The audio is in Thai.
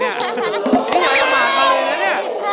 นี่ใหญ่อมาร์ทเลยนะนี่